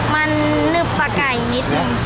มันนึบปลาไก่นิดนึง